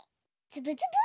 つぶつぶ。